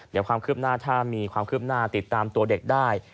เดี๋ยวความคืบหน้าถ้ามีความคืบหน้าติดตามตัวเด็กได้